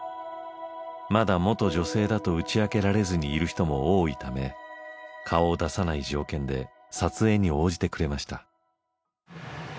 まだ元女性だと打ち明けられずにいる人も多いため顔を出さない条件で撮影に応じてくれました。